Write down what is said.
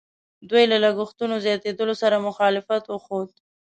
دوی له لګښتونو زیاتېدلو سره مخالفت وښود.